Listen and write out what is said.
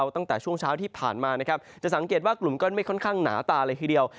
ตั้งแต่ช่วงเช้าที่ผ่านมานะครับจะสังเกตว่ากลุ่มก้อนเมฆค่อนข้างหนาตาเลยทีเดียว